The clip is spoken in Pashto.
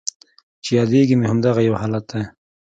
چې یادیږي مې همدغه یو حالت دی